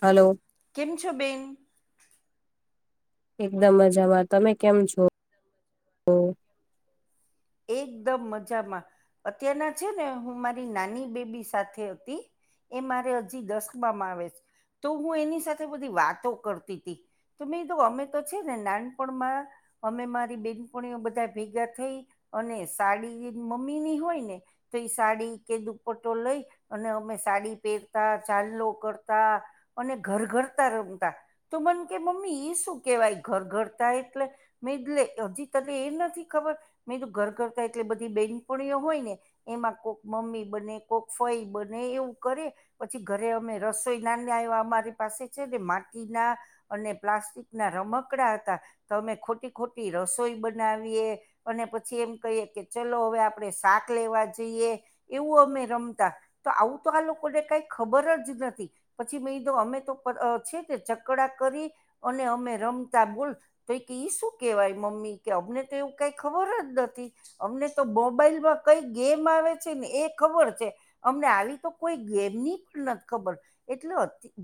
Hello. કેમ છો બેન? એકદમ મજામાં. તમે કેમ છો? એકદમ મજામાં અત્યારના છેને હું મારી નાની બેબી સાથે હતી એ મારે હજી દસમાં આવે છે, તો હું એની સાથે બધી વાતો કરતી તી. તો મેં કીધું તો અમે છેને નાનપણમાં અમે મારી બેનપણીઓ બધા ભેગા થઈ અને સાડી મમ્મી ની હોય ને તો એ સાડી કે દુપટો લઈ અને અમે સાડી પહેરતા ચાંદલો કરતા અને ઘર ઘરતા રમતા. તો મને કે મમ્મી શું કેહેવાય, ઘર ઘરતા એટલે? મેલે હજી તને એ નથી ખબર મેં તો ઘર ઘરતા એટલે બધી બેનપણીઓ હોય ને એમાં કોક મમ્મી, બને કોક ફઈ બને એવું કરે પછી ઘરે અમે રસોઈ ના ના એવા અમારી પાસે છે, ને માટીના અને પ્લાસ્ટિક ના રમકડા હતા, તો અમે ખોટી ખોટી રસોઈ બનાવીએ. અને પછી એમ કહીએ, કે ચલો હવે આપણે શાક લેવા જઈએ એવું અમે રમતા. તો આવું તો આ લોકોને કઈ ખબર જ નથી. પછી મે દો અમે તો છે ચકડા કરી અને અમે રમતા બોલ તો ઈ શું કેહેવાય મમ્મી કે અમને તો એવું કાંઈ ખબર જ નથી. અમને તો મોબાઈલમાં કઈ ગેમ આવે છે, ને એ ખબર છે. અમને આવી તો કોઈ ગેમની પણ નથી ખબર એટલે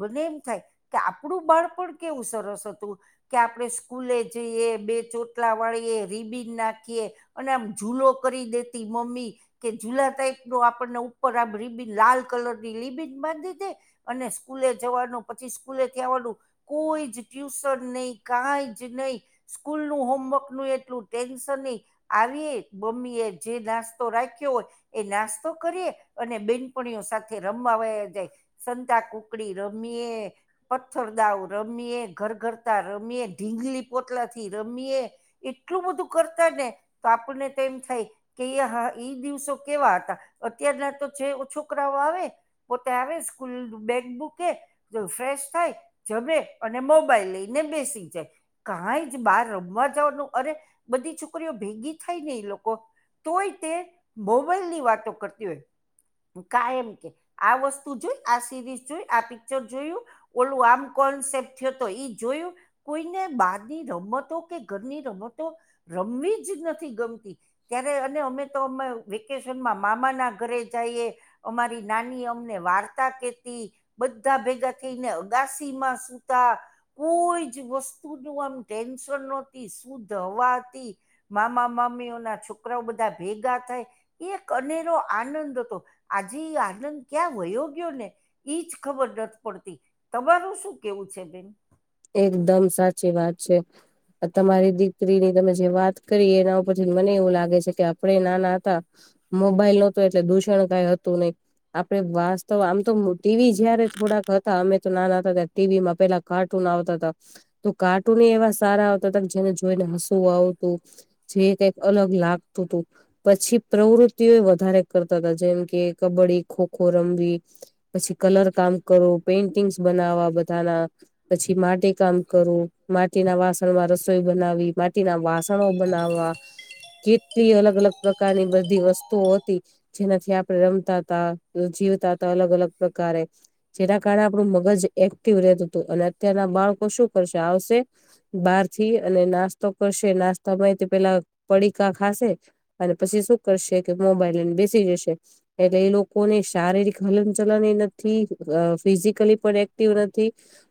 મને એમ થાય કે આપણું બાળપણ કેવું સરસ હતું. કે આપણે સ્કૂલે જઈએ બે ચોટલા વાળીએ રીબીન નાખીએ અને આમ ઝૂલો કરી દેતી મમ્મી. કે જુલો ટાઈપ ન આપણને ઉપર રિબીન લાલ કલરની લીબિન બાંધી દે અને સ્કૂલે જવાનું પછી સ્કૂલેથી આવવાનું કોઈ જ ટ્યુશન નહી કઈ જ નહી સ્કૂલ નું હોમવર્ક નું એટલું ટેન્શનની આવી મમ્મી એ જે નાસ્તો રાખ્યો હોય એ નાસ્તો કરીએ અને બેનપણીઓ સાથે રમવાવા જાય. સંતા કુકડી રમીએે પથ્થરદાવ રમીએ, ઘર ઘરતા રમીએ, ઢીંગલી પોતલા થી રમીયએ એટલું બધું કરતા ને તો આપણને તો એમ થાય કે હા ઈ દિવસો કેવા હતા અત્યારના તો જે છોકરાઓ આવે પોતે આવે સ્કૂલ બેગબુકે તો ફ્રેશ થાય જમેે અને મોબાઈલ લઈને બેસી જાય. કઈ જ બહાર રમવા જવાનું અરે બધી છોકરીઓ ભેગી થાય ને એ લોકો તોય તે મોબાઈલ ની વાતો કરતી હોય. કાયમ કે આ વસ્તુ જોઈ આ સિરીઝ જોઈ, આ પિક્ચર જોયું ઓલું આમ કોન્સેપ્ટ થયો તો ઈ જોયું. કોઈને બહારની રમતો કે ઘરની રમતો રમવી જ નથી ગમતી. ત્યારે અને અમે તો અમે વેકેશનમાં મામા ના ઘરે જઈએ અમારી નાની અમને વાર્તા કેતી. બધા ભેગા થઈને અગાસી માં સુતા. કોઈ જ વસ્તુ નું આમ ટેન્શન નહોતી શુદ્ધ હવાથી મામા મામીઓના છોકરાઓ બધા ભેગા થાય એ એક અનેરો આનંદ હતો આજે એ આનંદ ક્યાં વયો ગયો ને. ઈજ ખબર નથી પડતી તમારું શું કેવું છે બેન? એકદમ સાચી વાત છે. તમારી દીકરીની તમે જે વાત કરી એના ઉપરથી મને એવું લાગે છે કે આપણે નાના હતા મોબાઈલ નોતો એટલે દૂષણ કઈ હતું નહિ. આપડે વાસ્તવ આમ તો ટીવી જયારે થોડાક હતા અમે તો નાના હતા ત્યારે ટીવી માં પેલાટ કાર્ટૂન આવતા હતા તો કાર્ટૂન એવા સારા આવતા હતા જેને જોઈને હસવું આવતું. જે કઈક અલગ લાગતું હતું પછી પ્રવૃ તિયો વધારે કરતા હતા જેમ કે કબડ્ડી... ખોખો રમવી પછી કલર કામ કરો, પેઇન્ટિંગસ બનાવવા બધાના પછી માટી કામ કરું માટીના વાસણમાં રસોઈ બનાવી માટીના વાસણો બનાવવા. કેટલી અલગ અલગ પ્રકારની બધી વસ્તુઓ હતી. જેનાથી આપણેે રમતા ત જીવતા હતા અલગ અલગ પ્રકારે જેના કારણે આપણું મગજ એક્ટિવ રહેતું હતું અને અત્યારના બાળકો શું કરશે આવશે બહાર થી અને નાસ્તો કરશે નાસ્તામાંય તે પેલા પડીકા ખાશે અને પછી શું કરશે કે મોબાઈલને બેસી જશે. એટલે એ લોકોને શારીરિક હલનચલન એ નથી, અ ફિઝિકલી પણ એક્ટિવ નથી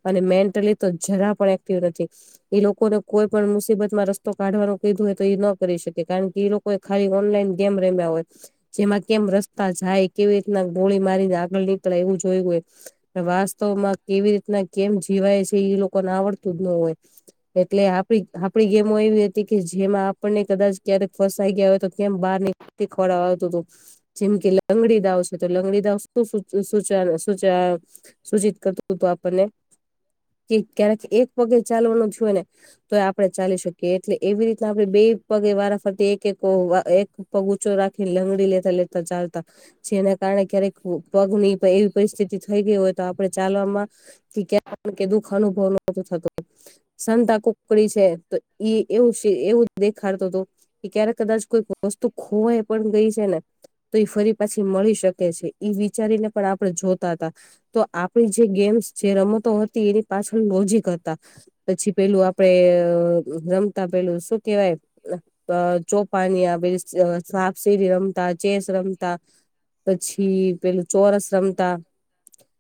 અને મેન્ટલી તો જરા પણ એક્ટિવ નથી. ઈ લોકોને કોઈ પણ મુસીબત માં રસ્તો કાઢવાનું કીધું હોય, તો એ ન કરી શકે કારણ કે કોઈ ખાલી ઓનલાઈન ગેમ રમ્યા હોય. જેમાં કેમ રસ્તા જાય, કેવી રીતના ગોળી મારીને આગળ નીકળે એવું જોયું હોય. વાસ્તવમાં કેવી રીતના કેમ જીવાય છે, ઈ લોકોને આવડતું જ ન હોય. એટલે આપડી આપડી ગેમો એવી હતી, કે જેમાં આપણને કદાચ ક્યારેક ફસાઈ ગ્યા હોય, તો કેમ બાર નીક [unintelligible] ખડવા આવતું તું. જેમ કે લંગડી દાવ સે, તો લંગડી દાવ શું શું સુચે સુચે એમ. સૂચિત કરતું તુ આપને કે, ક્યારેક એક પગે ચાલવાનું છુયે ને. તો એ આપડણે ચાલી શકીએ એટલે એવી રીતના આપણે બે પગે વારાફરતી એક એક એક પગ ઊંચો રાખીને લંગડી લેતા લે ત ચાલતા, જેના કારણે ક્યારેક પગ ની એવી પરિસ્થિતિ થઈ ગઈ હોય તો આપડણે ચાલવામાં કે દુઃખ અનુભવ નોહોતો થતો. સંતા કુકડી છે તો ઈ એવું સે એવું જ દેખાડતું તું. કે ક્યારે કદાચ કોઈ વસ્તુ ખોવાય પણ ગઈ છે ને. તો એ ફરી પાછી મળી શકે છે, એ વિચારીને પણ આપણે જોતા તા. તો આ પાણી જે ગેમ્સ છે રમ તો હતી, એની પાછળ લોજીક હતા. પછી પેલું આપડણે રમતા પેલુ સુ કેવાય. બ જો પાની આવેસ. સેવ સાપ સીડી રમતા, ચેસ રમતા પછી પેલું. ચોરસ રમતા.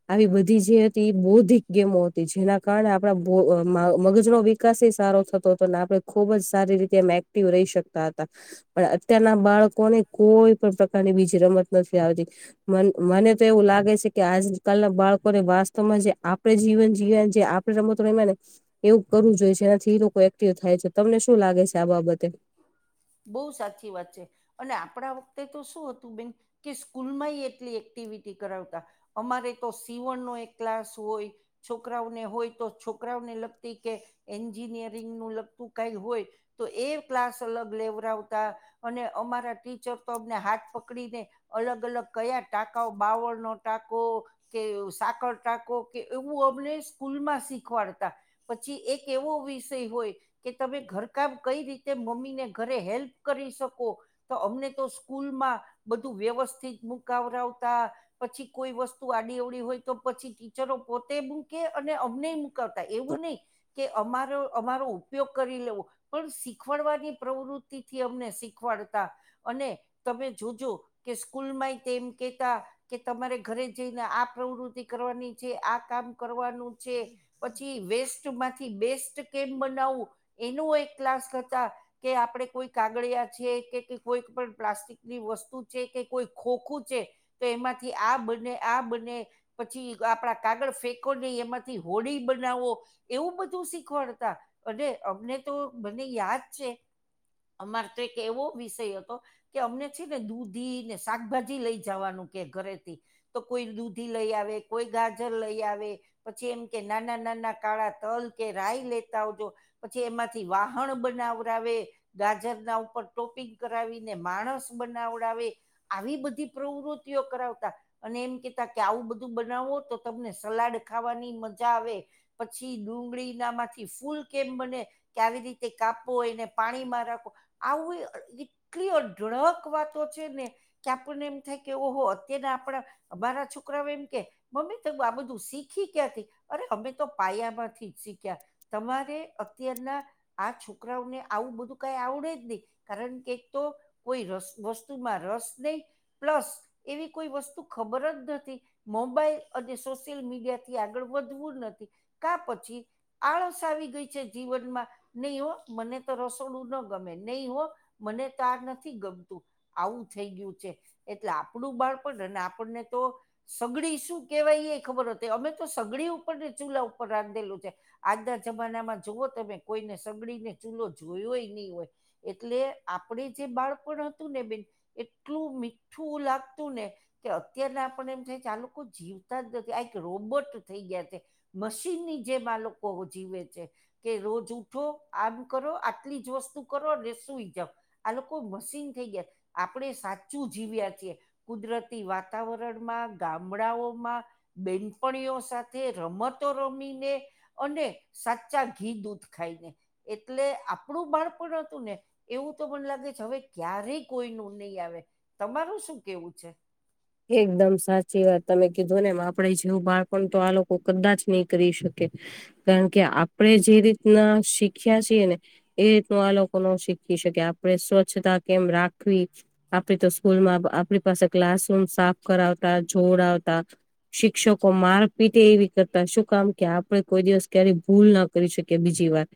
આવી બધી જે હતી એ બૌદ્ધિક ગેમો હતી, જેના કારણે આ આપડા બો મઅ મગજનો વિકાસે સારો થતો હતો અને આપણેે ખુબજ સારી રીતે મે ક્ટિવ રહી શકતા હતા, પણ અત્યારના બાળકોને કોઈ પણ પ્રકારની બીજી રમત નથી આવતી મન મને. તો એવું લાગે સે, કે આજકાલના બાળકોને વાસ્તવમાં જે આપ આપણે જીવન જીયવા ન, જે આપડણે રમતો રયમા ને. એવું કરવું જોયે સે, એનાથી લોકો એક્ટિવ થાય છે. તમને શું લાગે સે આ બાબતે. બોઉ સાચી વાત છે. અને આપણા વખતે તો શું હતું બેન, કે સ્કૂલમાંયે એટલી એક્ટિવિટી કરાવતા. અમારે તો સીવણ નો એક ક્લાસ ઓય. છોકરાઓને હોય તો છોકરાઓને લગતી કે, એન્જિનિયરિંગ નું લગતું કઈ હોય. તો એ ક્લાસ અલગ લેવરાવતા, અને અમારા ટીચર તો અમને હાથ પકડીને. અલગ અલગ કયા ટાકાઓ બાવળ નો ટાકો. કે સાકર ટાકો કે એવું અમને સ્કૂલ માં શીખવાડતા. પછી એક એવો વિષય હોય, કે તમે ઘરકામ કઈ રીતે તે મમ્મી ને ઘરે હેલ્પ કરી શકો. તો અમને તો સ્કૂલમાં બધું વ્યવસ્થિત મુકાવરાવતા. પછી કોઈ વસ્તુ આડી અવડી હોય તો પછી ટીચરો પોતે મૂકે અને અમને મુૂકાવતા એવું નહી. કે અમારો અમારો ઉપયોગ કરી લેવો, પણ શીખવાડવાની પ્રવૃત્તિથી અમને શીખવાડતા અને તમે જોજો. કે સ્કૂલમાંય તેમ કેતા. કે તમારે ઘરે જઈને આ પ્રવૃતિ કરવાની છે આ કામ કરવાનું છે. પછી વેસ્ટમાંથી બેસ્ટ કેમ બનાવું, એનું એક ક્લાસ કે આપડે કોઈ કાગળિયા છે કે કોઈ પણ પ્લાસ્ટિક ની વસ્તુ છે કે કોઈ ખોખું છે, તો એમાંથી આ બને આ બને. પછી આપણા કાગળ ફેંકો નહી એમાંથી હોડી બનાવો. એવું બધું શીખવાડતા, અને અમને તો મને યાદ છે. અમારે તો એક એવો વિષય હતો. કે અમને છે ને દૂધી ને શાકભાજી લઈ જવાનું કે ઘરેથી. તો કોઈ દૂધી લઈ આવે કોઈ ગાજર લઈ આવે. પછી એમ કે નાના નાના કાળા તલ કે રાય લેતા આવજો. પછી એમાંથી વાહણ બનાવ. ગાજર ના ઉપર ટોપિંગ કરાવીને માણસ બનાવડાવે. આવી બધી પ્રવૃત્તિઓ કરાવતા. અને એમ કતા કે આવું બધું બનાવો તો તમને સલાડ ખાવાની મજા આવે. પછી ડુંગળી નામાંથી ફૂલ કેમ બને કે આવી રીતે કાપ. આપ એને પાણીમાં રાખો આવું એટલી અઢળક વાતો છે ને. ક્યા આપને એમ થાય કે ઓહો અત્યારના આપણા અ બરા છોકરાઓ એમ કે. મમ્મી ત આ બધું શીખી ક્યાંથી અરે અમે તો પાયામાંથી શીખ્યા. તમારે અત્યારના આ છ. છોકરાઓને આવું બધું કઈ આવડે જ નહી કારણ કે તો. કોઈ રસ વસ્તુમાં રસ નહી પ્લસ એવી કોઈ વસ્તુ ખબરજ નથી. મોબાઈલ અને સોશિયલ મીડિયા થી આગળ વધવું નથી કા પછી. આળસ આવી ગઈ છે જીવનમાં નહીઓ. મને તો રસોડું ના ગમે નહી હો મને તો આ નથી ગમતું. આવું થઈ ગયું છે એટલે આપણું બાળપણ ને આપણને તો સગડી શું કેવાય એ ખબર હતી અમે તો સગડી ઉપર ને ચૂલા ઉપર રાંધેલું છે. આના જમાનામાં જોુવઓ તમે કોઈને સગડી ને ચૂલો જોયોય નહી હોય. એટલે આપડે જે બાળપણ હતું ને બેન એટલું મીઠું લાગતુંને કે અત્યાર આપણ એમ થાય છે આ લોકો જીવતાજ નથી આ એક રોબોટ થઈ ગયા છે. મશીનની જેમાં લોકો જીવે છે કે રોજ ઉઠો આમ કરો આટલીજ વસ્તુ કરો અને સૂઈજાઓ. આ લોકો મશીન થઈ ગયા આપણેે સાચું જીવ્યા છીએ. કુદરતી વાતાવરણમાં ગામડાઓમાં બેનપણીઓ સાથે રમતો રમીને અને સાચા ઘી દૂધ ખાઈને. એટલે આપણું બાળપણ હતું ને એવું તો મને લાગે છે હવે ક્યારેય કોઈ ન નહીં આવે તમારું શું કેવું છે. એકદમ સાચી વાત તમે કીધુંનેમ આપડે જેવું બાળપણતો આ લોકો કદાચ નહી કરી શકે કારણકે આપણે જે રીતના શીખ્યા છીએ ને એ રીતનું આ લોકો ન શીખી શકે આપણે સ્વચ્છતા કેમ રાખવી આપડી તો સ્કૂલમાં આપણી પાસે ક્લાસરૂમ સાફ કરાવતા જોડ આવતા શિક્ષકો માર પીટે એવી કરતા શું કામ કે આપડે કોઈ દિવસ ક્યારે ભૂલના કરી શકી બીજી વાર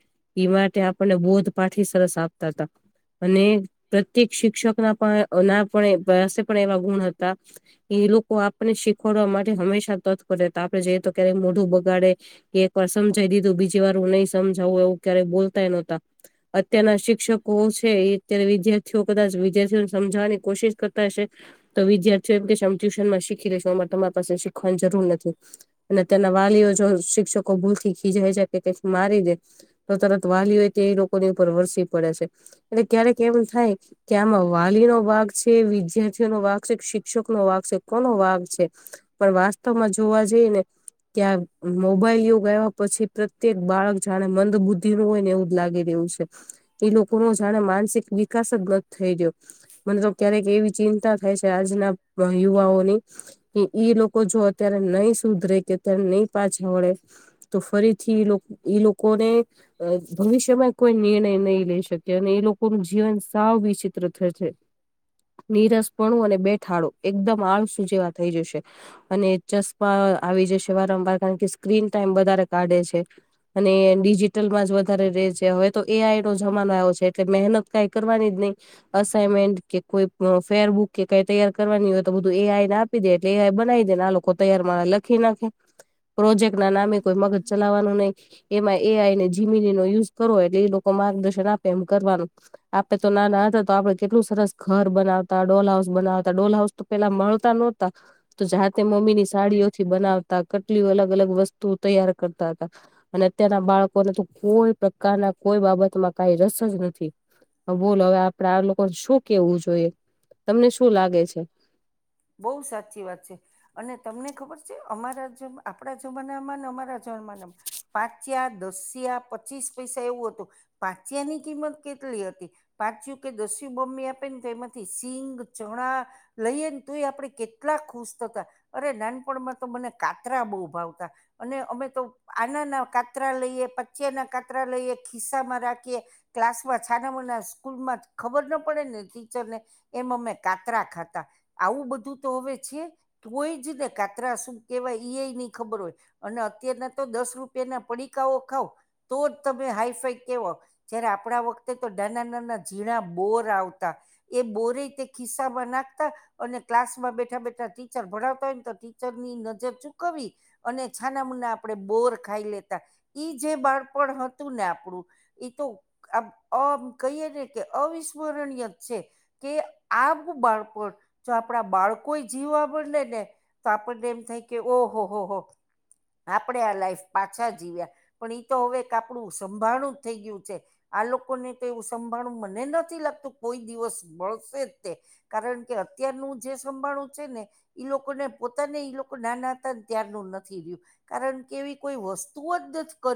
એ માટે આપણને બોધ પાઠી સરસ આપતા હતા. અને પ્રત્યેક શિક્ષકના પણ પણ પાસે પણ એવા ગુણ હતા. એ લોકો આપને શીખવાડવા માટે હંમેશા તત્પર હતા આપડે જઈએ તો ક્યારેક મોઢું બગાડે કે એક વાર સમજાઈ દીધું બીજી વાર હું નહી સમજાવું એવું ક્યારેય બોલતાય નહોતા. અત્યારના શિક્ષકો છે એ અત્યારે વિદ્યાર્થીઓ કદાચ વિદ્યાર્થીઓને સમજાવવાની કોશિશ કરતા હશે. તો વિદ્યાર્થીઓ એમ કહે છે અમ ટ્યુશનમાં શીખી લઈશું અમે તમારા પાસે શીખવાની જરૂર નથી. અને તેના વાલીઓ જો શિક્ષકો ભૂલથી ખીજાઈ જાય કે કઈક મારી દે તો તરત વાલી હોય તે એ લોકોની ઉપર વરસી પડે છે. એટલે ક્યારે કે એમ થાય કે આમાં વાલી નો ભાગ છે વિદ્યાર્થીઓનો ભાગ છે. શ શિક્ષકનો વાછે કોનો વાગ છે પણ વાસ્તવમાં જોવા જઈને ત્યાં મોબાઈલ યોગ આવ્યા પછી પ્રત્યેક બાળક જાણે મંદ બુદ્ધિ નું હોય ને એવુંજ લાગે એવું છે. એ લોકો નો જાણે માનસિક વિકાસજ ન થઈ ગયો મને ક્યારેક એવી ચિંતા થાય છે આજના યુવાઓની કે ઈ લોકો જો અત્યારે નહી સુધરે કે અત્યારે નહી પાછા વળે તો ફરીથી ઈ લોક ઈ લોકોને અ ભવિષ્યમાં કોઈ નિર્ણય નહી લઈ શકે અને એ લોકોનું જીવન સાવ વિચિત્રથ છે. નિરાશ ભણું અને બેઠાળું એકદમ આળસું જેવા થઈ જશે. અને ચશ્મા આવી જશે વારંવાર કારણ કે સ્ક્રીન ટાઈમ વધારે કાઢે છે. અને ડિજિટલમાં જ વધારે રે છે હવે તો એ આઈ નો જમાનો આવ્યો છે એટલે મહેનત કઈ કરવાની જ નહી. અસાઈનમેન્ટ કે કોઈ ફેરબુક કે કઈ તૈયાર કરવાની હોય તો બધું એ આઈ ને આપી દે એટલે એ આઈ બનાઈ દે ને આ લોકો તૈયારમા લખી નાખે. પ્રોજેક્ટના નામે કોઈ મગજ ચલાવવાનું નહી એમાં એ આઈને જીમીનીનો યુસ કરો એટલે એ લોકો માર્ગદર્શન આપે એમ કરવાનું. આપડે તો નાના હતા તો આપડે કેટલું સરસ ઘર બનાવતા ડોલ હાઉસ બનાવતા ડોલ હાઉસ તો પેલા મળતા નો તા તો જાતે મમ્મીની સાડીઓથી બનાવતા કેટલી અલગ અલગ વસ્તુ તૈયાર કરતા હતા. અને અત્યારના બાળકોનેતો કોઈ પ્રકારના કોઈ બાબતમાં કઈ રસજ નથી. હ બોલ હવે આપડે આ લોકો શું કેવું જોઈએ. તમને શું લાગે છે. બઉ સાચી વાત છે. અને તમને ખબર છે અમારા જ આપણા જમાનામાં ને અમારા જમાનામાં પાંચિયાં દસિયા પચીસ પૈસા એવું હતું પાંચિયા ની કિંમત કેટલી હતી. પાંચયું કે દસયું બોમમ્મી આપે ને તો એમાંથી સિંગ ચણા લઈએ ને તો એ આપણે કેટલા ખુશ થતા અરે નાનપણમાં તો મને કાતરા બહુ ભાવતા. અને અમે તો આનાના કાતરા લઈએ પચિયાના કાતરા લઈએ ખિસ્સા માં રાખીએ ક્લાસમાં છાનામના સ્કૂલમાં ખબર ના પડે ને ટીચરને એમ અમે કાતરા ખાતા આવું બધું તો હવે છે. તોય જ ને કાતરા શું કેવાય ઈ એ નહી ખબર હોય. અને અત્યારના તો દસ રૂપિયા ના પડીકાઓ ખાવ તો જ તમે હાઈફાઈ કેવો. જયારે આપણા વખતે તો ધન નાના ઝીણા બોર આવતા. એ બોરી તે ખિસ્સા માં નાખતા અને ક્લાસ માં બેઠા બેઠા ટીચર ભણાવતા હોય ને તો ટીચર ની નજર ચૂકવી અને છાનામુના આપણે બોર ખાઈ લેતા ઈ જે બાળપણ હતું ને આપણું ઈ તો આમ આ કહી ને કે અવિસ્મરણીય છે. કે આપ બાળપણ જો આપણા બાળકોય જીવવા મળને ને તો આપણને એમ થાય કે ઓહ હો હો. આપણેે આ લાઈફ પાછા જીવ્યા પણ ઈ તો હવે એક આપણું સંભાણું જ થઈ ગયું છે. આ લોકોને તો એવું સંભાળવું મને નથી લાગતું કોઈ દિવસ મળશે તે. કારણ કે અત્યારનું જે સંભાળણું છે ને ઈ લોકોને પોતાને ઈ લોકો નાના હતા ત્યારનું નથી રહ્યું. કારણ કે એવી કોઈ વસ્તુ ઓજ નથી કર